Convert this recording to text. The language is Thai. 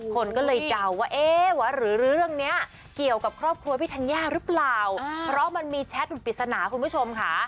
คนก็เลยเดาว่าเอ๊ะวะหรือเรื่องนี้เกี่ยวกับครอบครัวพี่ธัญญาหรือเปล่าเพราะมันมีแชทอุปริศนาคุณผู้ชมค่ะ